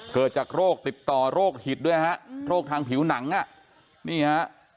เกิดจากโรคติดต่อโรคหิตด้วยฮะโรคทางผิวหนังอ่ะนี่ฮะ